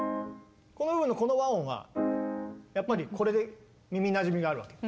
この部分のこの和音はやっぱりこれで耳なじみがあるわけ。